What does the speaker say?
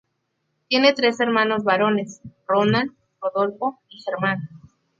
Tiene tres hermanos varones: Ronald, Rodolfo y Germán.